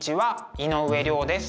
井上涼です。